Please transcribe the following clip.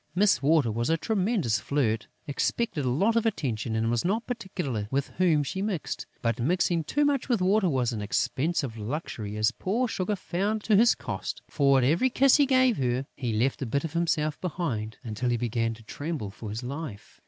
Miss Water was a tremendous flirt, expected a lot of attention and was not particular with whom she mixed; but mixing too much with Water was an expensive luxury, as poor Sugar found to his cost; for, at every kiss he gave her, he left a bit of himself behind, until he began to tremble for his life.